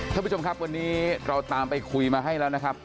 ท่านผู้ชมครับวันนี้เราตามไปคุยมาให้แล้วนะครับ